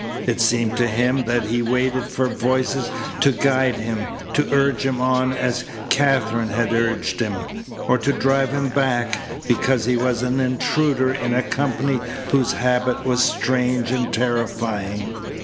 It seemed to him that he waited for voices to guide him, to urge him on as Katherine had urged him, or to drive him back, because he was an intruder in a company whose habit was strange and terrifying.